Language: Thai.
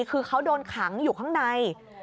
คือเขาโดนขังอยู่ข้างใน